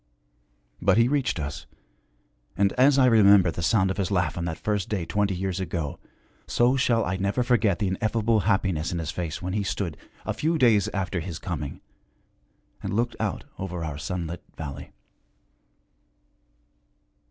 But he reached us, and as I remember the sound of his laugh on that first day twenty years ago, so shall I never forget the ineffable happiness in his face when he stood, a few days after his coming, and looked out over our sunlit valley.